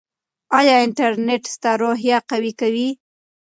ایا انټرنیټ ستا روحیه قوي کوي؟